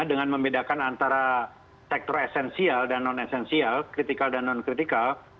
dengan membedakan antara sektor esensial dan non esensial kritikal dan non kritikal